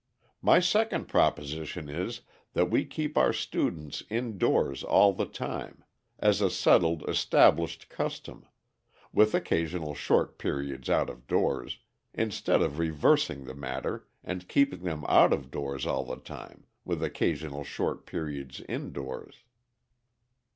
My second proposition is, that we keep our students indoors all the time, as a settled, established custom, with occasional short periods out of doors, instead of reversing the matter and keeping them out of doors all the time, with occasional short periods indoors.